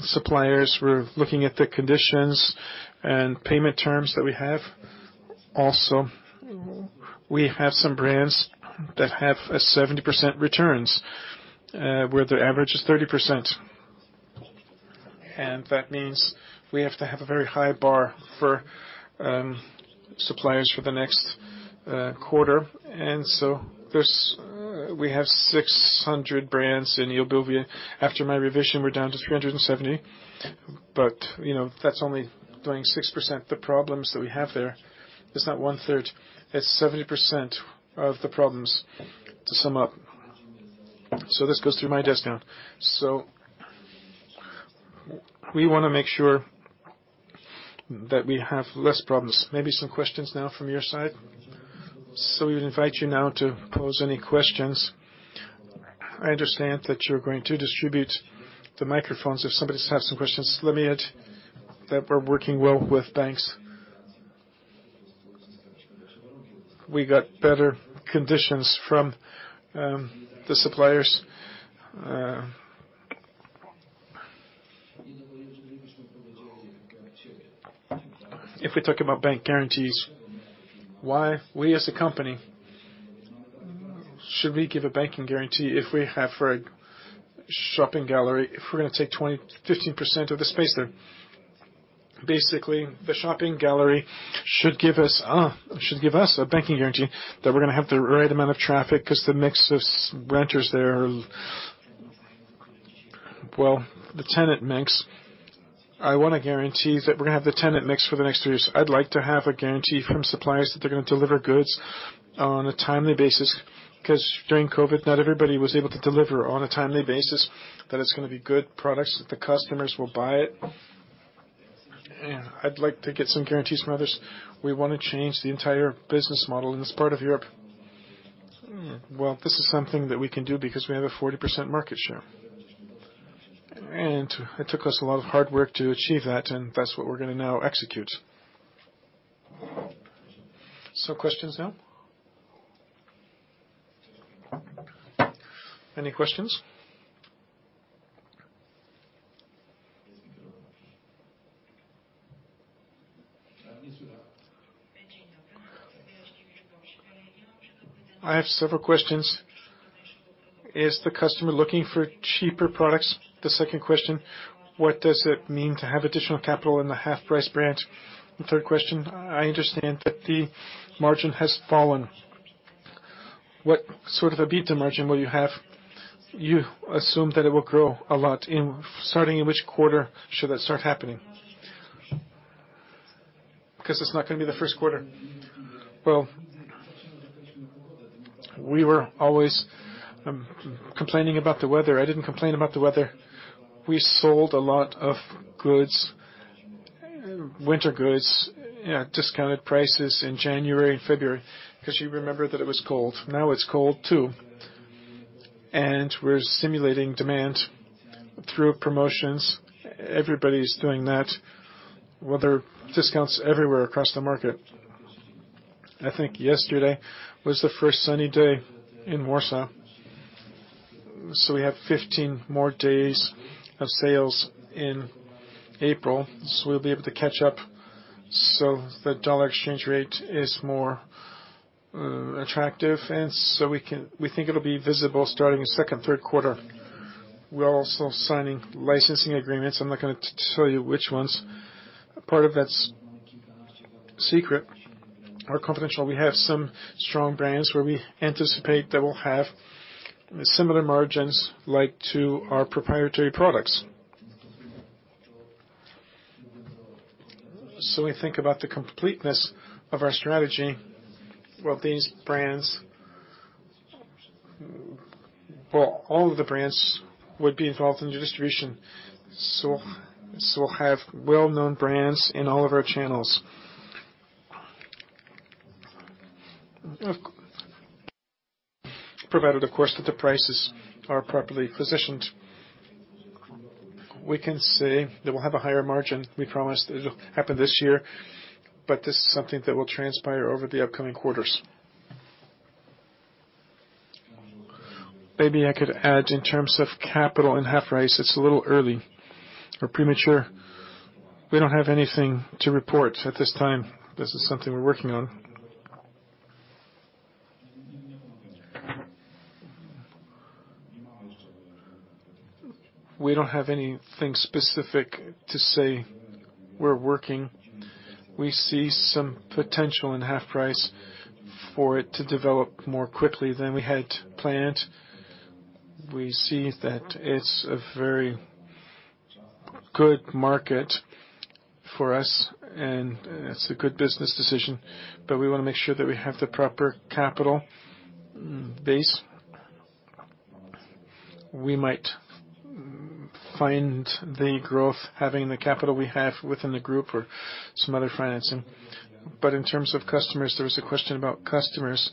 suppliers. We're looking at the conditions and payment terms that we have. Also, we have some brands that have a 70% returns, where the average is 30%. That means we have to have a very high bar for suppliers for the next quarter. We have 600 brands in eobuwie.pl. After my revision, we're down to 370. You know, that's only doing 6%. The problems that we have there is not 1/3, it's 70% of the problems to sum up. This goes through my discount. We wanna make sure that we have less problems. Maybe some questions now from your side. We invite you now to pose any questions. I understand that you're going to distribute the microphones if somebody's have some questions. Let me add that we're working well with banks. We got better conditions from the suppliers. If we talk about bank guarantees, why we as a company, should we give a banking guarantee if we have for a shopping gallery, if we're gonna take 20%, 15% of the space there? Basically, the shopping gallery should give us a banking guarantee that we're gonna have the right amount of traffic 'cause the mix of renters there... Well, the tenant mix. I wanna guarantee that we're gonna have the tenant mix for the next three years. I'd like to have a guarantee from suppliers that they're gonna deliver goods on a timely basis, 'cause during COVID, not everybody was able to deliver on a timely basis that it's gonna be good products that the customers will buy it. Yeah. I'd like to get some guarantees from others. We wanna change the entire business model in this part of Europe. Well, this is something that we can do because we have a 40% market share. It took us a lot of hard work to achieve that, and that's what we're gonna now execute. Questions now? Any questions? I have several questions. Is the customer looking for cheaper products? The second question, what does it mean to have additional capital in the HalfPrice branch? The third question, I understand that the margin has fallen. What sort of a EBITDA margin will you have? You assume that it will grow a lot in, starting in which quarter should that start happening? Because it's not going to be the first quarter. We were always complaining about the weather. I didn't complain about the weather. We sold a lot of goods, winter goods at discounted prices in January and February because you remember that it was cold. Now it's cold too, we're simulating demand through promotions. Everybody's doing that. There are discounts everywhere across the market. I think yesterday was the first sunny day in Warsaw, we have 15 more days of sales in April, so we'll be able to catch up so the dollar exchange rate is more attractive. We think it'll be visible starting the second, third quarter. We're also signing licensing agreements. I'm not going to tell you which ones. Part of that's secret or confidential. We have some strong brands where we anticipate that we'll have similar margins like to our proprietary products. We think about the completeness of our strategy with these brands. Well, all of the brands would be involved in the distribution, so we'll have well-known brands in all of our channels. Provided, of course, that the prices are properly positioned. We can say that we'll have a higher margin. We promised it'll happen this year, but this is something that will transpire over the upcoming quarters. Maybe I could add in terms of capital and HalfPrice, it's a little early or premature. We don't have anything to report at this time. This is something we're working on. We don't have anything specific to say we're working. We see some potential in HalfPrice for it to develop more quickly than we had planned. We see that it's a very good market for us, and it's a good business decision, but we wanna make sure that we have the proper capital base. We might find the growth having the capital we have within the group or some other financing. In terms of customers, there was a question about customers,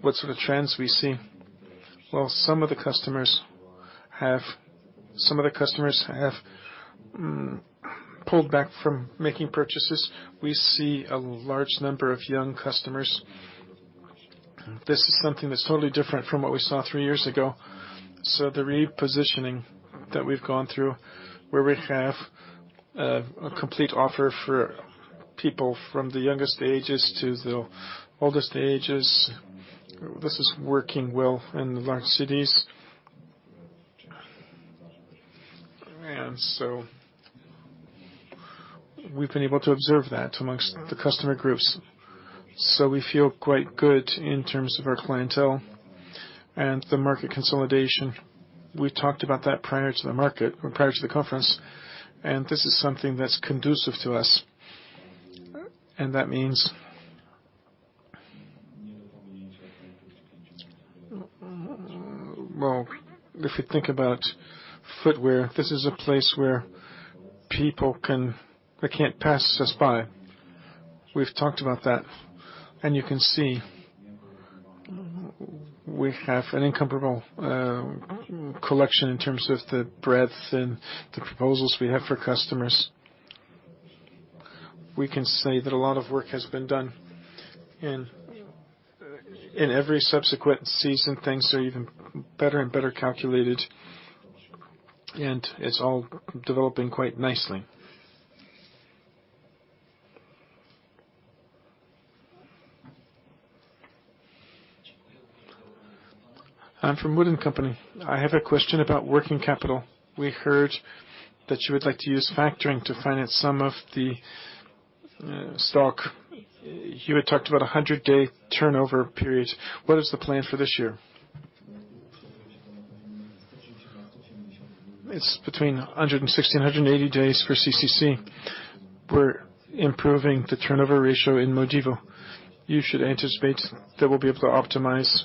what sort of trends we see. Well, some of the customers have pulled back from making purchases. We see a large number of young customers. This is something that's totally different from what we saw three years ago. The repositioning that we've gone through, where we have a complete offer for people from the youngest ages to the oldest ages, this is working well in the large cities. We've been able to observe that amongst the customer groups. So we feel quite good in terms of our clientele and the market consolidation. We talked about that prior to the market or prior to the conference, and this is something that's conducive to us. That means, Well, if you think about footwear, this is a place where people can't pass us by. We've talked about that, and you can see we have an incomparable collection in terms of the breadth and the proposals we have for customers. We can say that a lot of work has been done, and in every subsequent season, things are even better and better calculated, and it's all developing quite nicely. I'm from Wood & Company. I have a question about working capital. We heard that you would like to use factoring to finance some of the stock. You had talked about a 100-day turnover period. What is the plan for this year? It's between 160, 180 days for CCC. We're improving the turnover ratio in Modivo. You should anticipate that we'll be able to optimize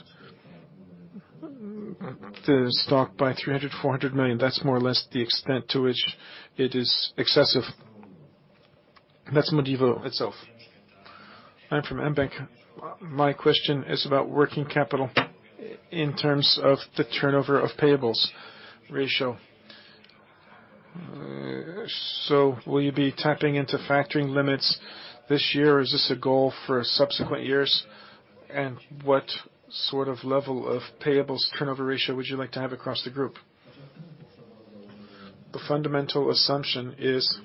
the stock by 300 million, 400 million. That's more or less the extent to which it is excessive. And that's Modivo itself. I'm from mBank. My question is about working capital in terms of the turnover of payables ratio. Will you be tapping into factoring limits this year, or is this a goal for subsequent years? What sort of level of payables turnover ratio would you like to have across the group? The fundamental assumption is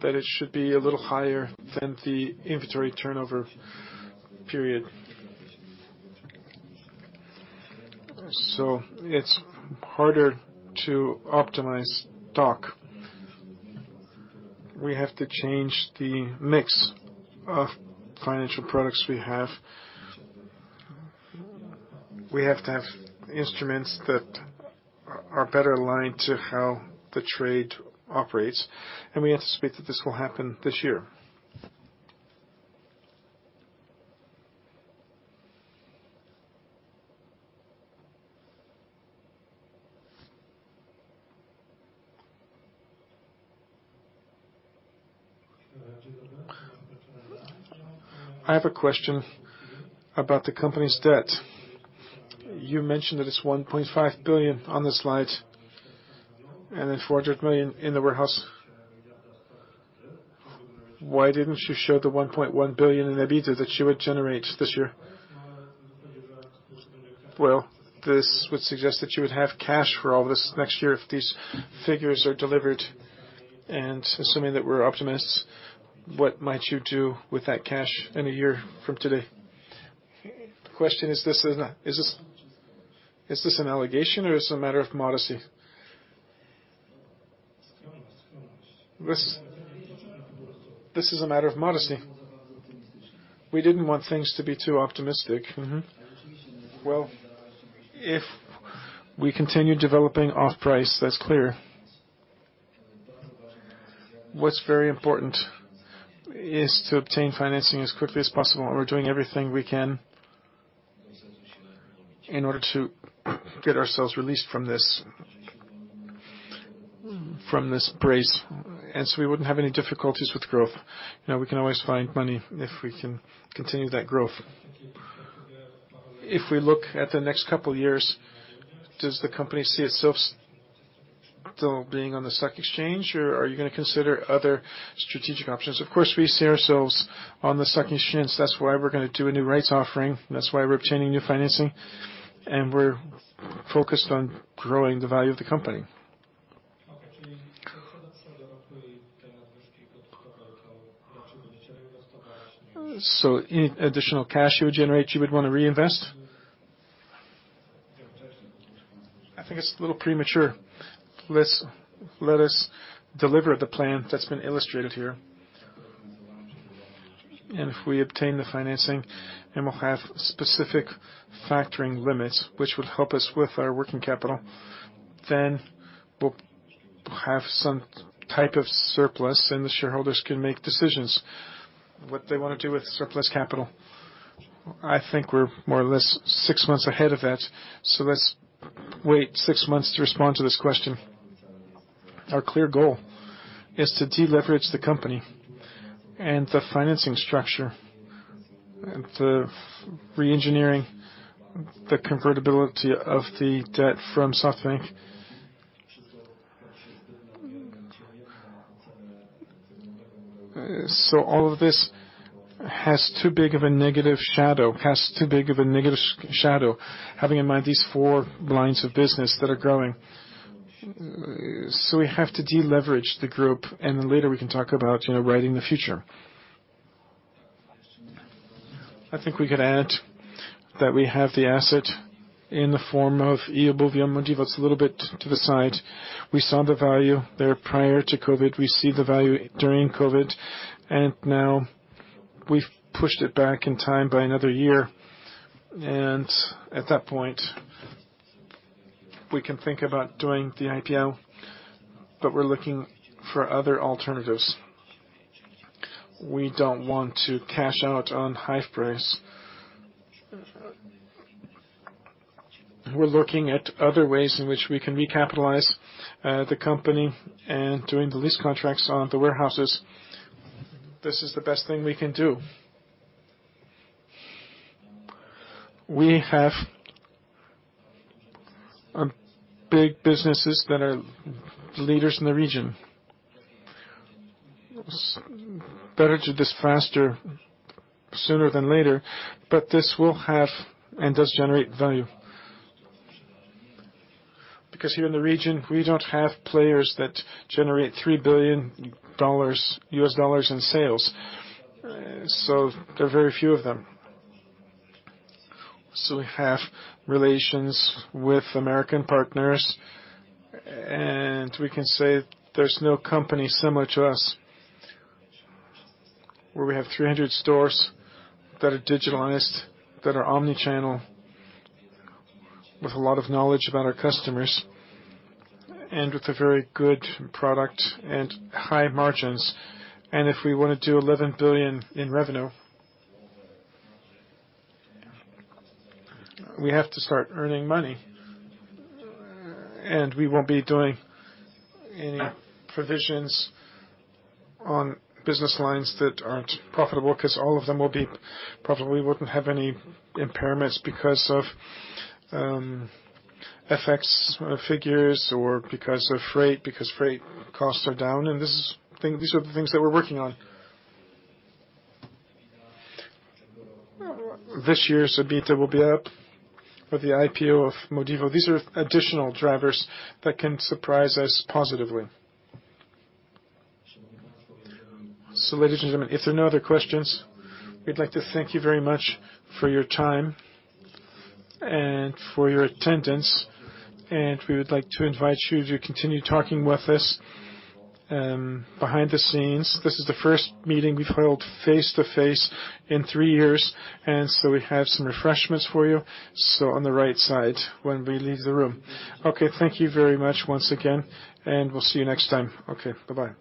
that it should be a little higher than the inventory turnover period. It's harder to optimize stock. We have to change the mix of financial products we have. We have to have instruments that are better aligned to how the trade operates, and we anticipate that this will happen this year. I have a question about the company's debt. You mentioned that it's 1.5 billion on the slide and then 400 million in the warehouse. Why didn't you show the 1.1 billion in EBITDA that you would generate this year? Well, this would suggest that you would have cash for all this next year if these figures are delivered. Assuming that we're optimists, what might you do with that cash in a year from today? The question is this an allegation or is it a matter of modesty? This is a matter of modesty. We didn't want things to be too optimistic. Well, if we continue developing off-price, that's clear. What's very important is to obtain financing as quickly as possible, and we're doing everything we can in order to get ourselves released from this, from this brace. We wouldn't have any difficulties with growth. You know, we can always find money if we can continue that growth. If we look at the next couple of years, does the company see itself still being on the stock exchange, or are you gonna consider other strategic options? Of course, we see ourselves on the stock exchange. That's why we're gonna do a new rights offering. That's why we're obtaining new financing, and we're focused on growing the value of the company. Okay. Any additional cash you would generate, you would wanna reinvest? I think it's a little premature. Let us deliver the plan that's been illustrated here. If we obtain the financing, then we'll have specific factoring limits, which would help us with our working capital. We'll have some type of surplus, and the shareholders can make decisions what they wanna do with surplus capital. I think we're more or less six months ahead of that, so let's wait six months to respond to this question. Our clear goal is to deleverage the company and the financing structure and the reengineering the convertibility of the debt from SoftBank. All of this has too big of a negative shadow, having in mind these 4 lines of business that are growing. We have to deleverage the group, and then later we can talk about, you know, right in the future. I think we could add that we have the asset in the form of eobuwie.pl and Modivo. It's a little bit to the side. We saw the value there prior to COVID. We see the value during COVID, and now we've pushed it back in time by another year. At that point, we can think about doing the IPO, but we're looking for other alternatives. We don't want to cash out on HalfPrice. We're looking at other ways in which we can recapitalize the company and doing the lease contracts on the warehouses. This is the best thing we can do. We have big businesses that are leaders in the region. Better to do this faster, sooner than later, but this will have and does generate value. Here in the region, we don't have players that generate $3 billion in sales. There are very few of them. We have relations with American partners, and we can say there's no company similar to us, where we have 300 stores that are digitalized, that are omni-channel with a lot of knowledge about our customers and with a very good product and high margins. If we wanna do 11 billion in revenue, we have to start earning money. We won't be doing any provisions on business lines that aren't profitable because all of them will be. Probably wouldn't have any impairments because of FX figures or because of freight, because freight costs are down and this is. These are the things that we're working on. This year's EBITDA will be up for the IPO of Modivo. These are additional drivers that can surprise us positively. Ladies and gentlemen, if there are no other questions, we'd like to thank you very much for your time and for your attendance. We would like to invite you to continue talking with us behind the scenes. This is the first meeting we've held face-to-face in three years, and so we have some refreshments for you. On the right side when we leave the room. Okay. Thank you very much once again, and we'll see you next time. Okay. Bye-bye.